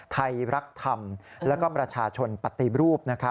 ไทยรักธรรมและก็ประชาชนปฏิรูป